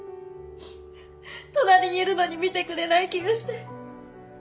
隣にいるのに見てくれない気がして。